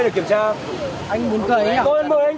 em có chống đối với ông